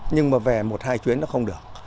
nhưng mà về một hai chuyến nó không được